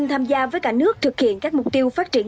tham gia với cả nước thực hiện các mục tiêu phát triển